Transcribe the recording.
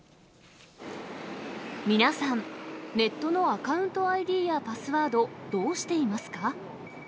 皆さん、ネットのアカウントＩＤやパスワード、どうしていますか？